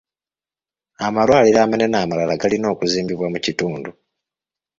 Amalwaliro amanene amalala galina okuzimbibwa mu kitundu.